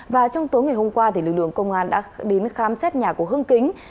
và trong tối ngày hôm qua lực lượng công an đã đến khám xét nhà của hưng kính